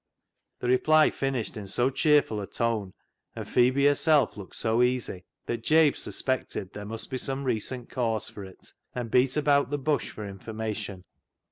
The reply finished in so cheerful a tone, and Phebe herself looked so easy, that Jabe suspected there must be some recent cause for it, and beat about the bush for information.